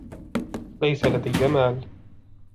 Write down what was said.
ليس لديَ مال.